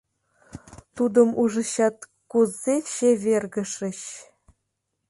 Тудым ужычат, кузе чевергышыч.